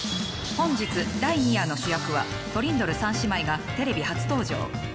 本日第２夜の主役はトリンドル３姉妹がテレビ初登場。